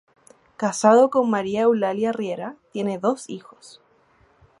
Casado con Mª Eulalia Riera, tiene dos hijos.